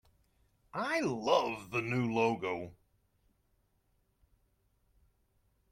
I love the new logo!